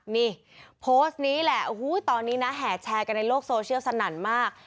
นี่โพสต์นี้แหละโอ้โหตอนนี้นะแห่แชร์กันในโลกโซเชียลสนั่นมาก